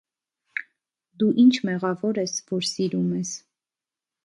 - Դու ի՞նչ մեղավոր ես, որ սիրում ես…